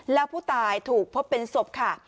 แล้วผู้ตายถูกพบเป็นศพค่ะ